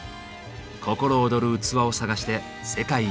心躍る器を探して世界一周。